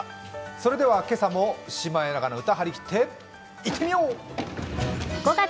それでは今朝も「シマエナガの歌」はりきっていってみよう！